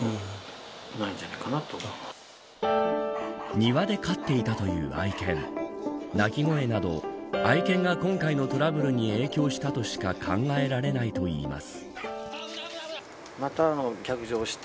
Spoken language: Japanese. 庭で飼っていたという愛犬鳴き声など愛犬が今回のトラブルに影響したとしか考えられないといいます。